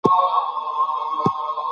که مایل سطحه وي نو پورته کول نه سختیږي.